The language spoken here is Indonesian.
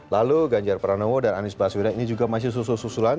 lalu ganjar pranowo dan anies baswedan ini juga masih susul susulan